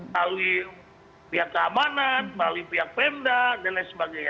lalu pihak keamanan lalu pihak pendat dan lain sebagainya